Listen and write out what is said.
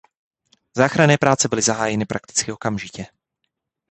Záchranné práce byly zahájeny prakticky okamžitě.